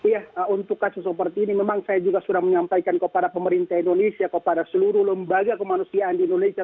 ya untuk kasus seperti ini memang saya juga sudah menyampaikan kepada pemerintah indonesia kepada seluruh lembaga kemanusiaan di indonesia